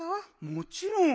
もちろん。